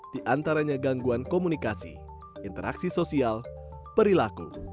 di antaranya gangguan komunikasi interaksi sosial perilaku